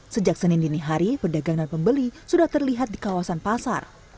sejak senin dini hari pedagang dan pembeli sudah terlihat di kawasan pasar